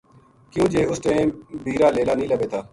کیوں جے اُس ٹیم بیر ا لیلا نیہہ لبھے تھا